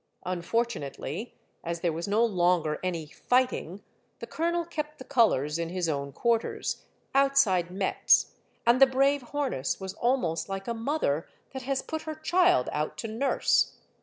Unfortunately, as there was no longer any fighting, the colonel kept the colors in his own quarters, outside Metz, and the brave Hornus was almost like a mother that has put her child out to nurse.